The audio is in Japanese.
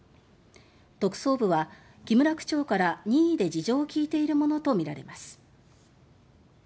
特捜部は木村区長から任意で事情を聴いているものとみられます。